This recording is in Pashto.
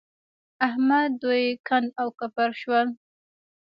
احمد دوی کنډ او کپر شول.